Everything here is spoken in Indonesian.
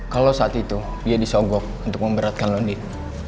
kalau saat itu dia disogok untuk memberatkan lo din